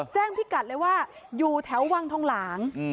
แจ้งภิกัดเลยว่าอยู่แถววังทองราง